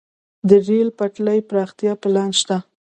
د ریل پټلۍ پراختیا پلان شته